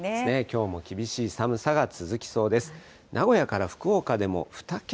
今日も寒いできょうも厳しい寒さが続きそうです。